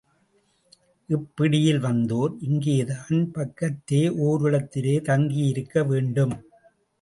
இப் பிடியில் வந்தோர் இங்கேதான் பக்கத்தே ஒரிடத்திலே தங்கியிருக்க வேண்டும.